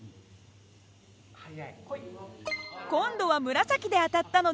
今度は紫で当たったので１５点。